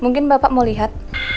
mungkin bapak mau lihat